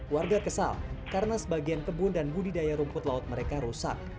warga kesal karena sebagian kebun dan budidaya rumput laut mereka rusak